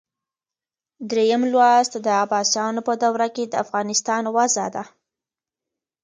دریم لوست د عباسیانو په دوره کې د افغانستان وضع ده.